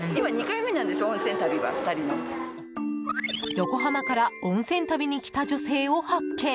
横浜から温泉旅に来た女性を発見。